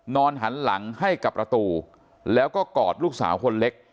นอนหันหลังให้กับประตูแล้วก็กอดลูกสาวคนเล็ก